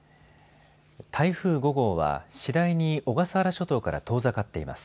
台風５号は次第に小笠原諸島から遠ざかっています。